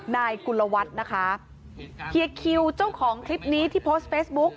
นายกุลวัฒน์นะคะเฮียคิวเจ้าของคลิปนี้ที่โพสต์เฟซบุ๊ก